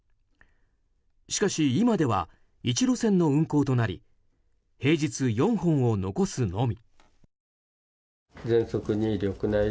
しかし今では１路線の運行となり平日４本を残すのみ。